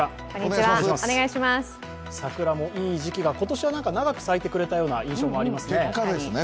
桜もいい時期が、今年は長く咲いてくれたような印象がありますね。